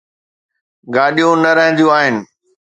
گاڏيون نه رهنديون آهن.